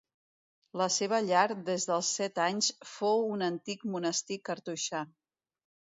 La seva llar des dels set anys fou un antic monestir cartoixà.